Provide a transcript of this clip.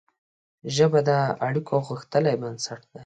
ژبه د اړیکو غښتلی بنسټ دی